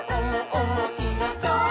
おもしろそう！」